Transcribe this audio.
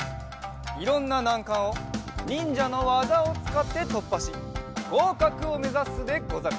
いろんななんかんをにんじゃのわざをつかってとっぱしごうかくをめざすでござる！